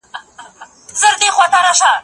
زه به سبا مېوې راټولوم وم،